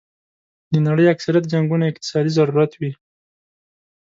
د نړۍ اکثریت جنګونه اقتصادي ضرورت وي.